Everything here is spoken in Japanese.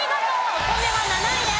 お米は７位です。